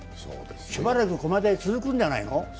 しばらく駒大続くんじゃないの？